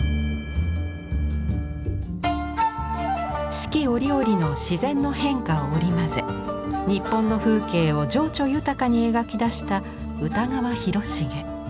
四季折々の自然の変化を織り交ぜ日本の風景を情緒豊かに描き出した歌川広重。